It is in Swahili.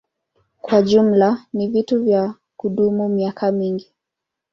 Kwa jumla ni vitu vya kudumu miaka mingi.